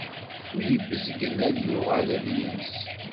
Win ibezgen, ad yuɣal ad yens.